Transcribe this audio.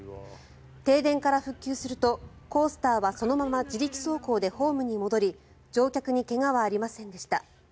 停電から復旧するとコースターはそのまま自力走行でホームに戻り乗客に怪我はありませんでした。